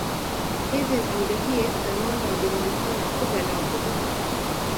Hêzên ewlehiyê, ferman dabû milîtanan ku belav bibin